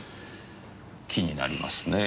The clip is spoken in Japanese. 気になりますねぇ。